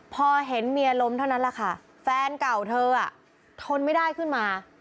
พอเห็นเมียล้มเท่านั้นแหละค่ะแฟนเก่าเธอทนไม่ได้ขึ้นมา